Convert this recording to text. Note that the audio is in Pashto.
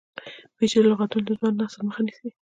پیچلي لغتونه د ځوان نسل مخه نیسي.